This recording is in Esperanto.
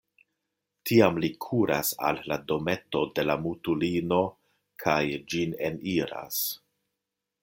Tiam li kuras al la dometo de la mutulino kaj ĝin eniras.